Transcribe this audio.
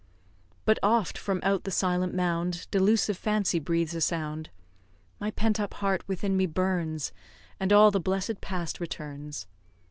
But oft from out the silent mound Delusive fancy breathes a sound; My pent up heart within me burns, And all the blessed past returns.